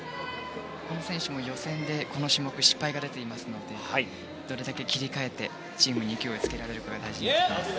この選手も予選でこの種目、失敗が出ていますのでどれだけ切り替えて、チームに勢いをつけられるかです。